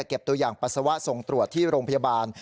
เก็บตัวอย่างปัสสาวะส่งตรวจที่โรงพยาบาล